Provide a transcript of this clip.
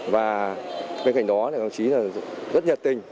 và bên cạnh đó công chí rất nhật tình